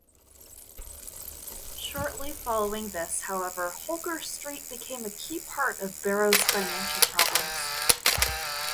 Shortly following this, however, Holker Street became a key part of Barrow's financial problems.